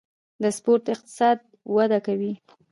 د سپورت اقتصاد وده کوي